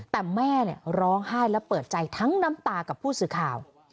แต่แม่ร้องไห้และเปิดใจทั้งน้ำตากับผู้สื่อข่าว